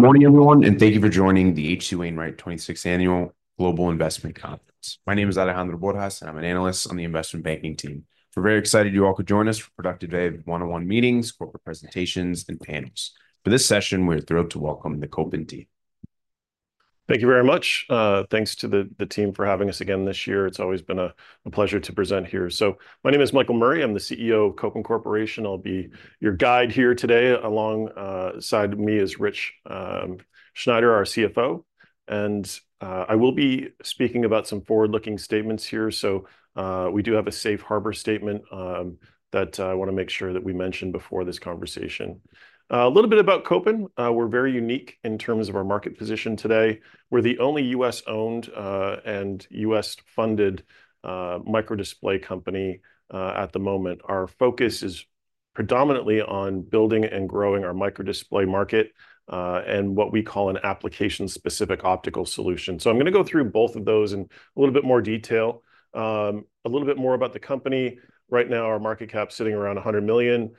Good morning, everyone, and thank you for joining the H.C. Wainwright twenty-sixth Annual Global Investment Conference. My name is Alejandro Borjas, and I'm an analyst on the investment banking team. We're very excited you all could join us for a productive day of one-on-one meetings, corporate presentations, and panels. For this session, we're thrilled to welcome the Kopin team. Thank you very much. Thanks to the team for having us again this year. It's always been a pleasure to present here. So my name is Michael Murray. I'm the CEO of Kopin Corporation. I'll be your guide here today. Alongside me is Rich Sneider, our CFO, and I will be speaking about some forward-looking statements here. So we do have a safe harbor statement that I wanna make sure that we mention before this conversation. A little bit about Kopin. We're very unique in terms of our market position today. We're the only U.S.-owned and U.S.-funded microdisplay company at the moment. Our focus is predominantly on building and growing our microdisplay market and what we call an application-specific optical solution. So I'm gonna go through both of those in a little bit more detail. A little bit more about the company. Right now, our market cap's sitting around $100 million.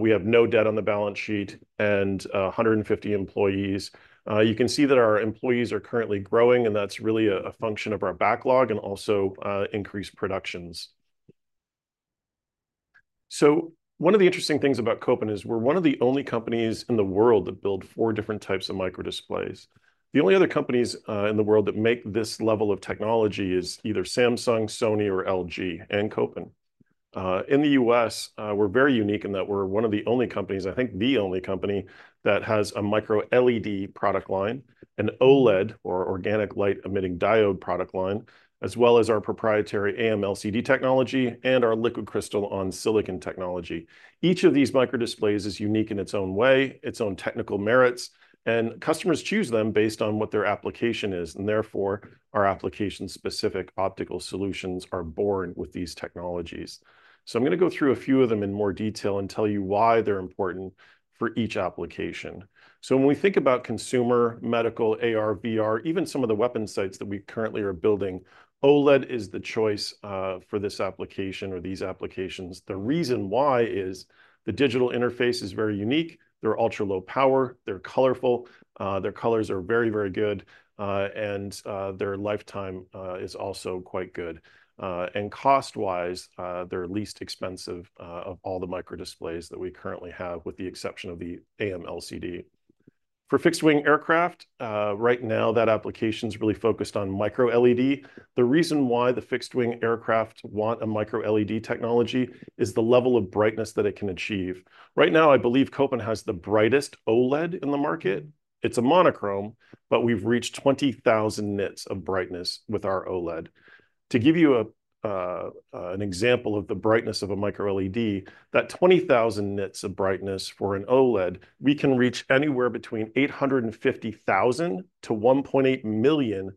We have no debt on the balance sheet, and 150 employees. You can see that our employees are currently growing, and that's really a function of our backlog and also increased productions. So one of the interesting things about Kopin is we're one of the only companies in the world that build four different types of microdisplays. The only other companies in the world that make this level of technology is either Samsung, Sony, or LG, and Kopin. In the U.S., we're very unique in that we're one of the only companies, I think the only company, that has a Micro LED product line, an OLED, or organic light-emitting diode, product line, as well as our proprietary AMLCD technology and our liquid crystal on silicon technology. Each of these microdisplays is unique in its own way, its own technical merits, and customers choose them based on what their application is, and therefore, our application-specific optical solutions are born with these technologies. I'm gonna go through a few of them in more detail and tell you why they're important for each application. When we think about consumer, medical, AR, VR, even some of the weapon sights that we currently are building, OLED is the choice for this application or these applications. The reason why is the digital interface is very unique. They're ultra-low power. They're colorful. Their colors are very, very good, and their lifetime is also quite good, and cost-wise, they're least expensive of all the microdisplays that we currently have, with the exception of the AMLCD. For fixed-wing aircraft, right now, that application's really focused on micro LED. The reason why the fixed-wing aircraft want a micro LED technology is the level of brightness that it can achieve. Right now, I believe Kopin has the brightest OLED in the market. It's a monochrome, but we've reached 20,000 nits of brightness with our OLED. To give you an example of the brightness of a micro LED, that 20,000 nits of brightness for an OLED, we can reach anywhere between 850,000-1.8 million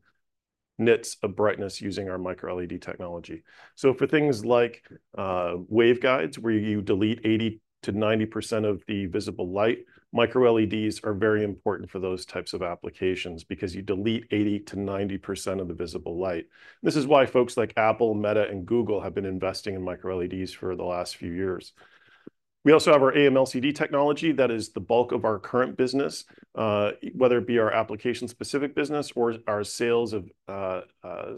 nits of brightness using our micro LED technology. For things like waveguides, where you delete 80%-90% of the visible light, micro LEDs are very important for those types of applications because you delete 80%-90% of the visible light. This is why folks like Apple, Meta, and Google have been investing in micro LEDs for the last few years. We also have our AMLCD technology. That is the bulk of our current business, whether it be our application-specific business or our sales of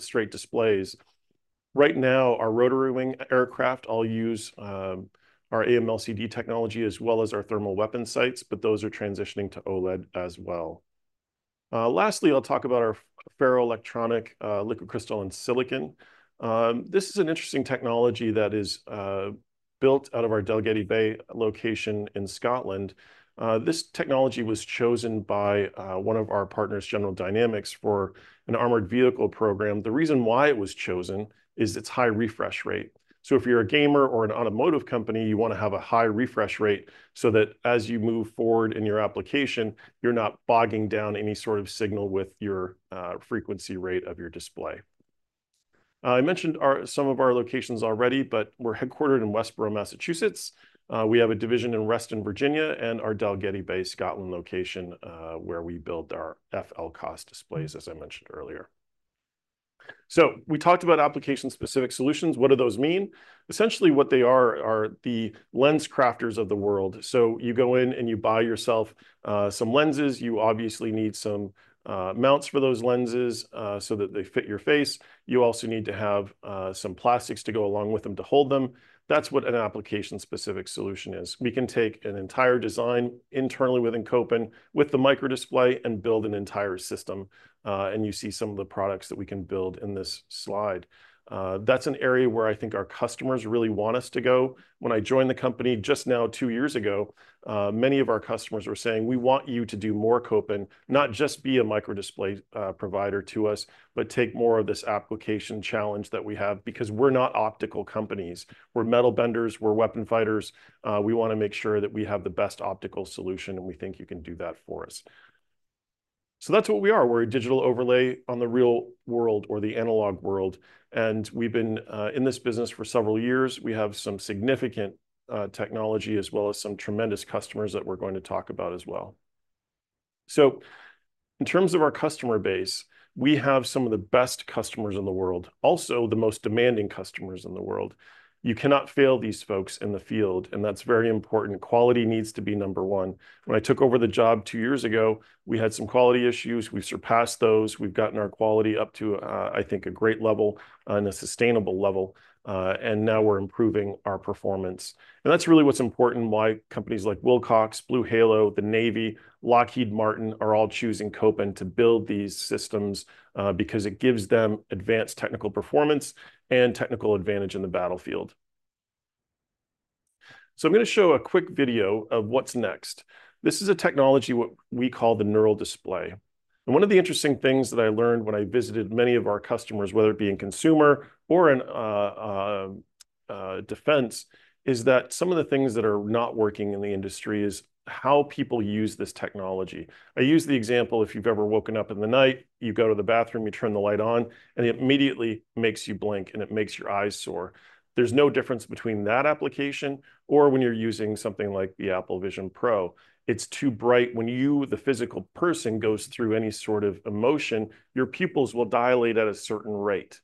straight displays. Right now, our rotary-wing aircraft all use our AMLCD technology, as well as our thermal weapon sights, but those are transitioning to OLED as well. Lastly, I'll talk about our ferroelectric liquid crystal on silicon. This is an interesting technology that is built out of our Dalgety Bay location in Scotland. This technology was chosen by one of our partners, General Dynamics, for an armored vehicle program. The reason why it was chosen is its high refresh rate. So if you're a gamer or an automotive company, you wanna have a high refresh rate so that as you move forward in your application, you're not bogging down any sort of signal with your frequency rate of your display. I mentioned some of our locations already, but we're headquartered in Westborough, Massachusetts. We have a division in Reston, Virginia, and our Dalgety Bay, Scotland, location, where we build our FLCOS displays, as I mentioned earlier. So we talked about application-specific solutions. What do those mean? Essentially, what they are, are the LensCrafters of the world. So you go in, and you buy yourself some lenses. You obviously need some mounts for those lenses, so that they fit your face. You also need to have some plastics to go along with them to hold them. That's what an application-specific solution is. We can take an entire design internally within Kopin with the microdisplay and build an entire system, and you see some of the products that we can build in this slide. That's an area where I think our customers really want us to go. When I joined the company just now, two years ago, many of our customers were saying: "We want you to do more, Kopin. Not just be a microdisplay provider to us, but take more of this application challenge that we have, because we're not optical companies. We're metal benders. We're weapon fighters. We wanna make sure that we have the best optical solution, and we think you can do that for us. So that's what we are. We're a digital overlay on the real world or the analog world, and we've been in this business for several years. We have some significant technology, as well as some tremendous customers that we're going to talk about as well. In terms of our customer base, we have some of the best customers in the world, also the most demanding customers in the world. You cannot fail these folks in the field, and that's very important. Quality needs to be number one. When I took over the job two years ago, we had some quality issues. We've surpassed those. We've gotten our quality up to, I think, a great level and a sustainable level, and now we're improving our performance, and that's really what's important, why companies like Wilcox, BlueHalo, the Navy, Lockheed Martin, are all choosing Kopin to build these systems, because it gives them advanced technical performance and technical advantage in the battlefield, so I'm gonna show a quick video of what's next. This is a technology, what we call the NeuralDisplay, and one of the interesting things that I learned when I visited many of our customers, whether it be in consumer or in defense, is that some of the things that are not working in the industry is how people use this technology. I use the example, if you've ever woken up in the night, you go to the bathroom, you turn the light on, and it immediately makes you blink, and it makes your eyes sore. There's no difference between that application or when you're using something like the Apple Vision Pro. It's too bright. When you, the physical person, goes through any sort of emotion, your pupils will dilate at a certain rate,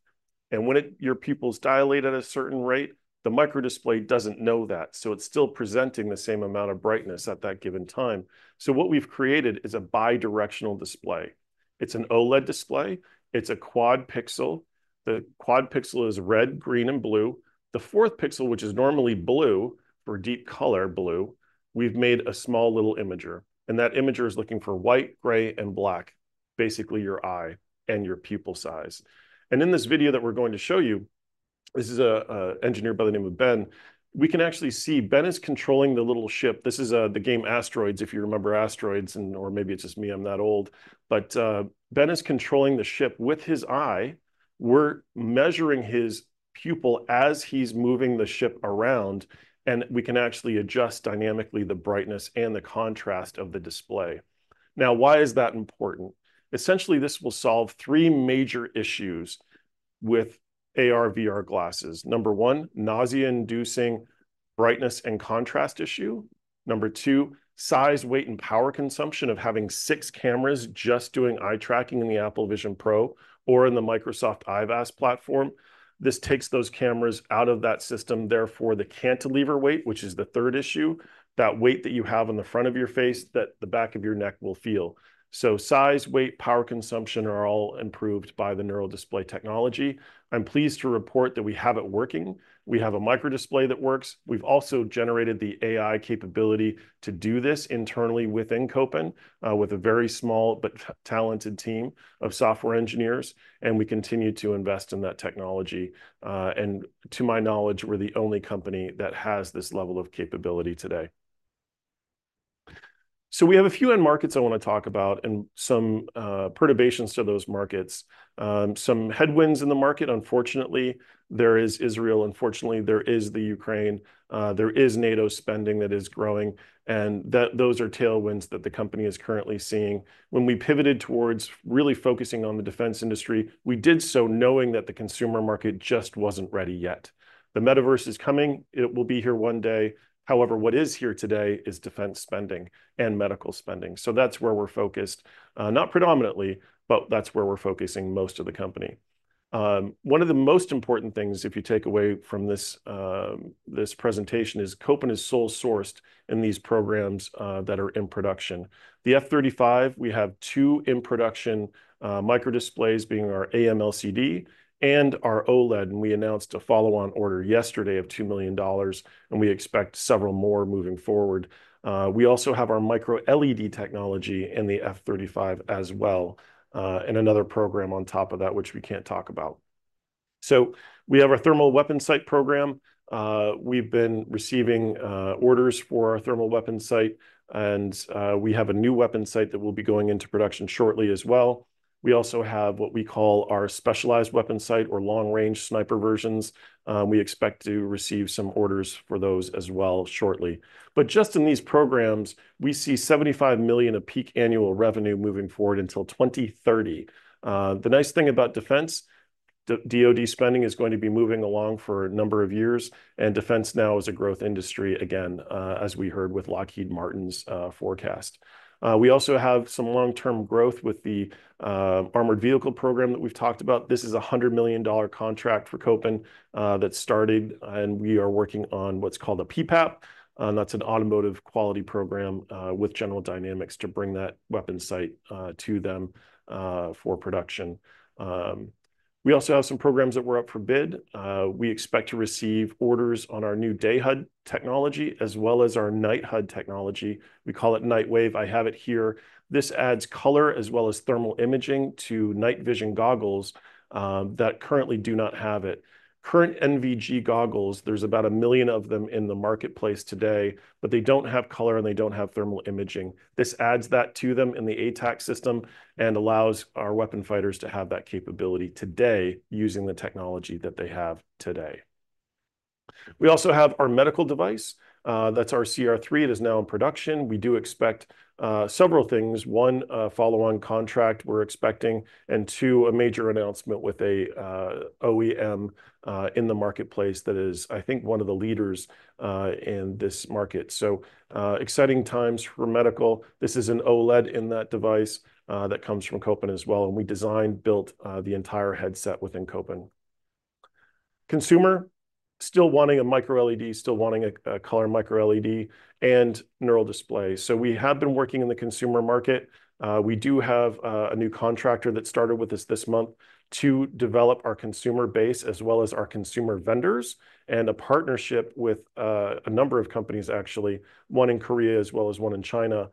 your pupils dilate at a certain rate, the microdisplay doesn't know that, so it's still presenting the same amount of brightness at that given time. So what we've created is a bidirectional display. It's an OLED display. It's a Quad Pixel. The Quad Pixel is red, green, and blue. The fourth pixel, which is normally blue, for deep color blue, we've made a small little imager, and that imager is looking for white, gray, and black. Basically, your eye and your pupil size. And in this video that we're going to show you, this is an engineer by the name of Ben. We can actually see Ben is controlling the little ship. This is the game Asteroids, if you remember Asteroids, and or maybe it's just me, I'm that old. But Ben is controlling the ship with his eye. We're measuring his pupil as he's moving the ship around, and we can actually adjust dynamically the brightness and the contrast of the display. Now, why is that important? Essentially, this will solve three major issues with AR/VR glasses. Number one, nausea-inducing brightness and contrast issue. Number two, size, weight, and power consumption of having six cameras just doing eye tracking in the Apple Vision Pro or in the Microsoft IVAS platform. This takes those cameras out of that system. Therefore, the cantilever weight, which is the third issue, that weight that you have on the front of your face, that the back of your neck will feel. So size, weight, power consumption are all improved by the NeuralDisplay technology. I'm pleased to report that we have it working. We have a microdisplay that works. We've also generated the AI capability to do this internally within Kopin with a very small but talented team of software engineers, and we continue to invest in that technology. And to my knowledge, we're the only company that has this level of capability today. So we have a few end markets I want to talk about and some perturbations to those markets. Some headwinds in the market. Unfortunately, there is Israel. Unfortunately, there is the Ukraine. There is NATO spending that is growing, and that, those are tailwinds that the company is currently seeing. When we pivoted towards really focusing on the defense industry, we did so knowing that the consumer market just wasn't ready yet. The metaverse is coming. It will be here one day. However, what is here today is defense spending and medical spending, so that's where we're focused. Not predominantly, but that's where we're focusing most of the company. One of the most important things, if you take away from this presentation, is Kopin is sole sourced in these programs that are in production. The F-35, we have two in-production microdisplays, being our AMLCD and our OLED, and we announced a follow-on order yesterday of $2 million, and we expect several more moving forward. We also have our micro LED technology in the F-35 as well, and another program on top of that, which we can't talk about. So we have our thermal weapon sight program. We've been receiving orders for our thermal weapon sight, and we have a new weapon sight that will be going into production shortly as well. We also have what we call our specialized weapon sight, or long-range sniper versions. We expect to receive some orders for those as well shortly. But just in these programs, we see $75 million of peak annual revenue moving forward until 2030. The nice thing about defense, the DoD spending is going to be moving along for a number of years, and defense now is a growth industry again, as we heard with Lockheed Martin's forecast. We also have some long-term growth with the armored vehicle program that we've talked about. This is a $100 million contract for Kopin that started, and we are working on what's called a PPAP. That's an automotive quality program with General Dynamics, to bring that weapon sight to them for production. We also have some programs that were up for bid. We expect to receive orders on our new day HUD technology, as well as our night HUD technology. We call it NightWave. I have it here. This adds color as well as thermal imaging to night vision goggles that currently do not have it. Current NVG goggles, there's about a million of them in the marketplace today, but they don't have color, and they don't have thermal imaging. This adds that to them in the ATAK system and allows our warfighters to have that capability today, using the technology that they have today. We also have our medical device. That's our CR3. It is now in production. We do expect several things. One, a follow-on contract we're expecting, and two, a major announcement with a OEM in the marketplace that is, I think, one of the leaders in this market. Exciting times for medical. This is an OLED in that device that comes from Kopin as well, and we designed, built the entire headset within Kopin. Consumer still wanting a micro-LED, still wanting a color micro-LED and NeuralDisplay. So we have been working in the consumer market. We do have a new contractor that started with us this month to develop our consumer base, as well as our consumer vendors, and a partnership with a number of companies, actually, one in Korea as well as one in China,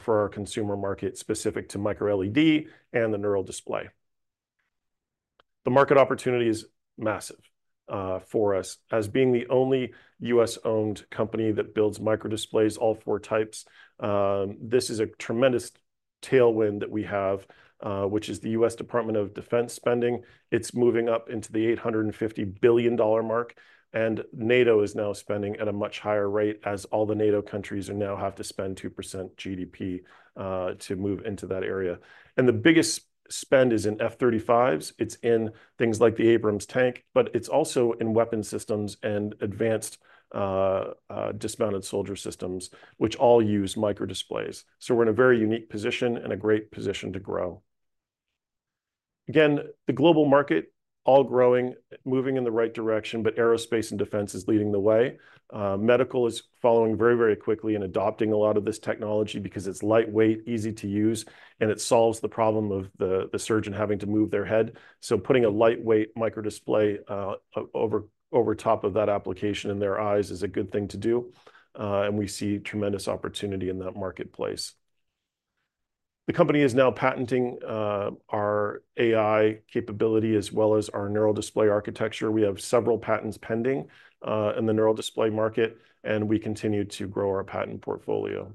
for our consumer market specific to micro-LED and the NeuralDisplay. The market opportunity is massive for us. As being the only U.S.-owned company that builds micro displays, all four types, this is a tremendous tailwind that we have, which is the U.S. Department of Defense spending. It's moving up into the $850 billion mark, and NATO is now spending at a much higher rate, as all the NATO countries are now have to spend 2% GDP to move into that area. And the biggest spend is in F-35s. It's in things like the Abrams tank, but it's also in weapons systems and advanced dismounted soldier systems, which all use micro displays. So we're in a very unique position and a great position to grow. Again, the global market, all growing, moving in the right direction, but aerospace and defense is leading the way. Medical is following very, very quickly and adopting a lot of this technology because it's lightweight, easy to use, and it solves the problem of the surgeon having to move their head. So putting a lightweight micro display over top of that application in their eyes is a good thing to do, and we see tremendous opportunity in that marketplace. The company is now patenting our AI capability, as well as our NeuralDisplay architecture. We have several patents pending in the NeuralDisplay market, and we continue to grow our patent portfolio.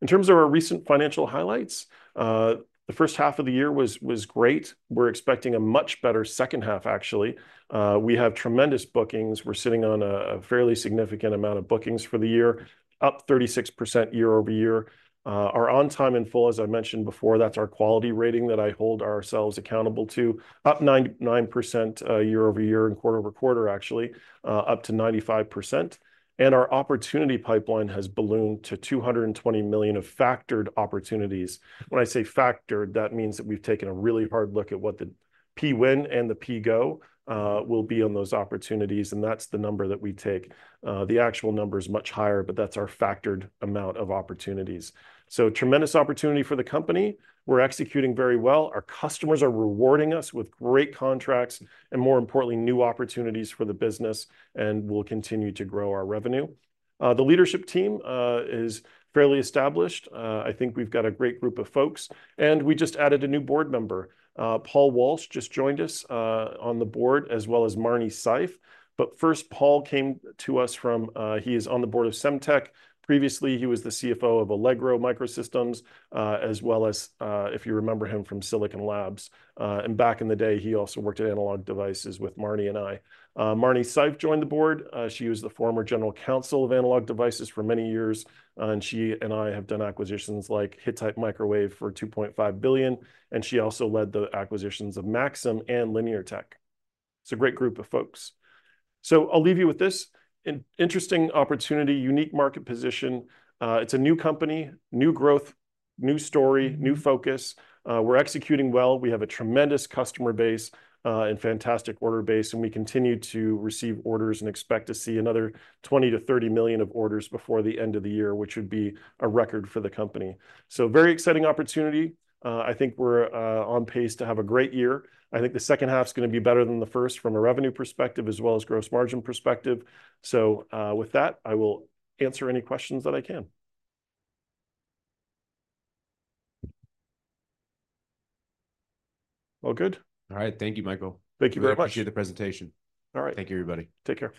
In terms of our recent financial highlights, the first half of the year was great. We're expecting a much better second half, actually. We have tremendous bookings. We're sitting on a fairly significant amount of bookings for the year, up 36% year over year. Our on time and full, as I mentioned before, that's our quality rating that I hold ourselves accountable to, up 99%, year over year and quarter over quarter, actually, up to 95%, and our opportunity pipeline has ballooned to 220 million of factored opportunities. When I say factored, that means that we've taken a really hard look at what the Pwin and the Pgo will be on those opportunities, and that's the number that we take. The actual number is much higher, but that's our factored amount of opportunities. So tremendous opportunity for the company. We're executing very well. Our customers are rewarding us with great contracts and, more importantly, new opportunities for the business, and we'll continue to grow our revenue. The leadership team is fairly established. I think we've got a great group of folks, and we just added a new board member. Paul Walsh just joined us on the board, as well as Marnie Seif. But first, Paul came to us from. He is on the board of Semtech. Previously, he was the CFO of Allegro MicroSystems, as well as, if you remember him from Silicon Labs, and back in the day, he also worked at Analog Devices with Marnie and I. Marnie Seif joined the board. She was the former General Counsel of Analog Devices for many years, and she and I have done acquisitions like Hittite Microwave for $2.5 billion, and she also led the acquisitions of Maxim and Linear Technology. It's a great group of folks. So I'll leave you with this: an interesting opportunity, unique market position. It's a new company, new growth, new story, new focus. We're executing well. We have a tremendous customer base and fantastic order base, and we continue to receive orders and expect to see another $20-$30 million of orders before the end of the year, which would be a record for the company. So, very exciting opportunity. I think we're on pace to have a great year. I think the second half's gonna be better than the first from a revenue perspective, as well as gross margin perspective. So, with that, I will answer any questions that I can. All good? All right. Thank you, Michael. Thank you very much. Appreciate the presentation. All right. Thank you, everybody. Take care.